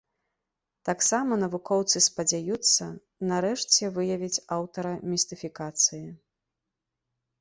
Таксама навукоўцы спадзяюцца, нарэшце, выявіць аўтара містыфікацыі.